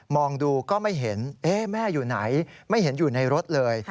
องดูก็ไม่เห็นแม่อยู่ไหนไม่เห็นอยู่ในรถเลย